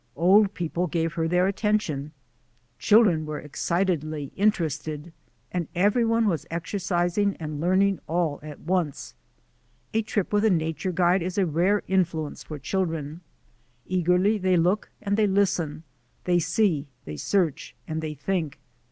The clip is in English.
Old people gave her their attention, children were ex citedly interested, and everyone was exercising and learning all at once. A trip with a nature guide is a rare influence for children. Eagerly they look and they listen; they see, they search, and they think.